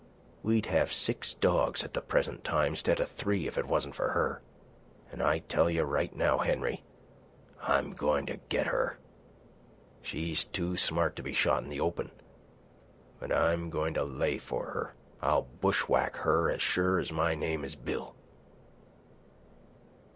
We'd have six dogs at the present time, 'stead of three, if it wasn't for her. An' I tell you right now, Henry, I'm goin' to get her. She's too smart to be shot in the open. But I'm goin' to lay for her. I'll bushwhack her as sure as my name is Bill."